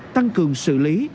tăng cường xử lý